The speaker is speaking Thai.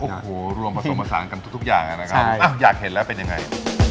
โอ้โหรวมผสมผสานกันทุกอย่างนะครับอยากเห็นแล้วเป็นยังไง